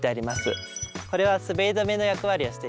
これは滑り止めの役割をしているんですね。